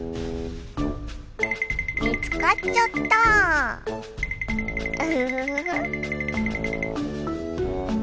見つかっちゃったぁ。